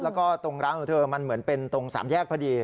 แล้วก็ตรงร้านของเธอมันเหมือนเป็นตรงสามแยกพอดี